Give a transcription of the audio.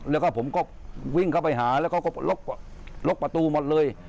แล้วก็ผมก็วิ่งเข้าไปหาแล้วเขาก็ล็อกประตูหมดเลย